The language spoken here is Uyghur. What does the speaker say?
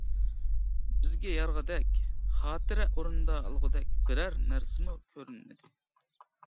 بىزگە يارىغىدەك، خاتىرە ئورۇندا ئالغۇدەك بىرەر نەرسىمۇ كۆرۈنمىدى.